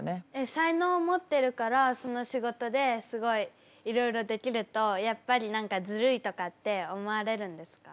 才能持ってるからその仕事ですごいいろいろできるとやっぱり何かずるいとかって思われるんですか？